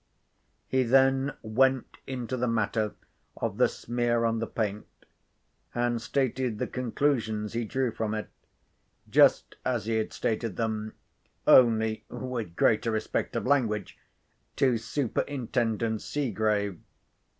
He then went into the matter of the smear on the paint, and stated the conclusions he drew from it—just as he had stated them (only with greater respect of language) to Superintendent Seegrave.